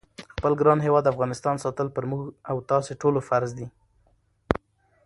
خپل ګران هیواد افغانستان ساتل پر موږ او تاسی ټولوفرض دی